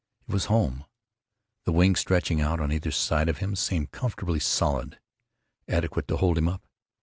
It was home. The wings stretching out on either side of him seemed comfortingly solid, adequate to hold him up.